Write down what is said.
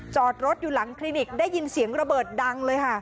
จอดรถอยู่หลังคลินิกได้ยินเสียงระเบิดดังเลยค่ะ